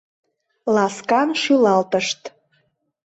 Ласкан шӱлалтышт.